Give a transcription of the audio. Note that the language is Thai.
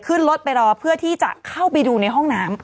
ขึ้นรถไปรอเพื่อที่จะเข้าไปดูในห้องน้ำ